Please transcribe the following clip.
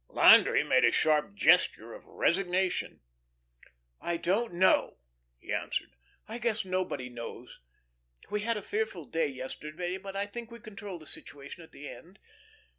Landry made a sharp gesture of resignation. "I don't know," he answered. "I guess nobody knows. We had a fearful day yesterday, but I think we controlled the situation at the end.